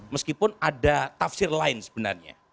meskipun ada tafsir lain sebenarnya